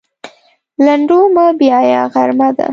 لنډو مه بیایه غرمه ده.